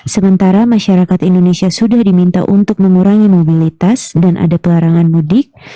sementara masyarakat indonesia sudah diminta untuk mengurangi mobilitas dan ada pelarangan mudik